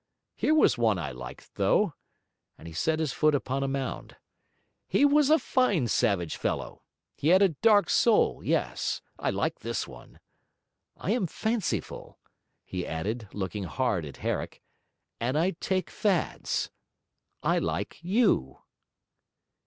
Here was one I liked though,' and he set his foot upon a mound. 'He was a fine savage fellow; he had a dark soul; yes, I liked this one. I am fanciful,' he added, looking hard at Herrick, 'and I take fads. I like you.'